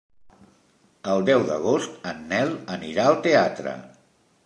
El deu d'agost en Nel anirà al teatre.